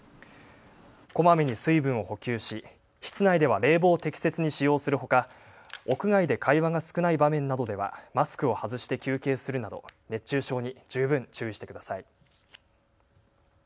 こまめに水分を補給し、室内では冷房を適切に使用するほか屋外で会話が少ない場面などではマスクを外して休憩するなど熱中症に十分注意してください。